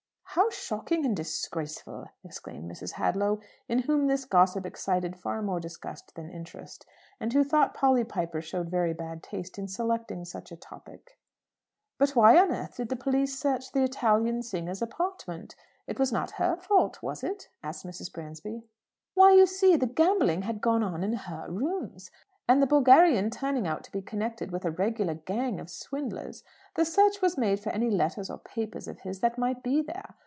"How shocking and disgraceful!" exclaimed Mrs. Hadlow, in whom this gossip excited far more disgust than interest; and who thought Polly Piper showed very bad taste in selecting such a topic. "But why did the police search the Italian singer's apartment? It was not her fault, was it?" asked Mrs. Bransby. "Why, you see, the gambling had gone on in her rooms. And the Bulgarian turning out to be connected with a regular gang of swindlers, the search was made for any letters or papers of his that might be there.